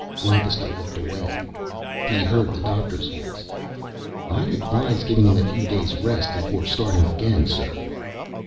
Lancaster looked away. He heard the doctor's voice. "I'd advice giving him a few days' rest before starting again, sir."